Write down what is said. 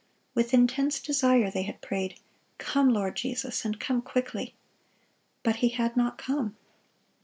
With intense desire they had prayed, "Come, Lord Jesus, and come quickly." But He had not come.